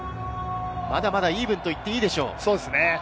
まだまだイーブンと言っていいでしょう。